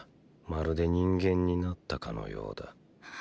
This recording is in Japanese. まるで人間になったかのようだ。